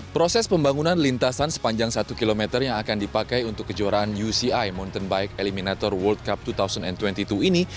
proses pembangunan lintasan sepanjang satu km yang akan dipakai untuk kejuaraan uci mountain bike eliminator world cup dua ribu dua puluh dua ini